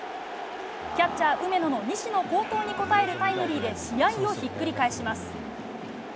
キャッチャー、梅野の西の好投に応えるタイムリーで試合をひっくり返します。